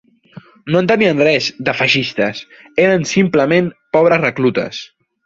No en tenien res, de feixistes; eren, simplement, pobres reclutes